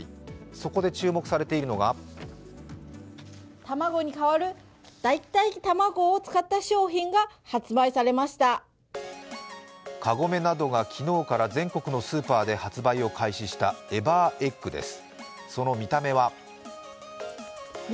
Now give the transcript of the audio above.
そこで注目されているのがカゴメなどが昨日から全国のスーパーで発売を開始したＥｖｅｒＥｇｇです。